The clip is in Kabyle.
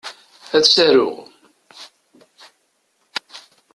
Ad as-aruɣ.